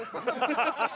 ハハハハ！